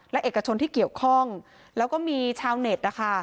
และเอกชนที่เกี่ยวข้องแล้วก็มีชาวเน็ตนะคะ